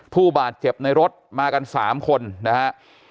ผู้บาดเจ็บในรถมากัน๓คนนะฮะ